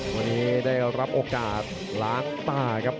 วันนี้ได้รับโอกาสล้างตาครับ